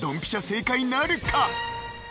正解なるか！？